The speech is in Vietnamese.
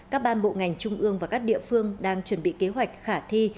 các ban bộ ngành trung ương và các địa phương đang chuẩn bị kế hoạch khả thi